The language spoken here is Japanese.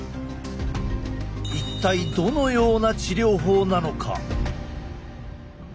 一体どのような治療法なのか。